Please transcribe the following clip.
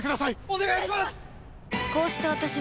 お願いします！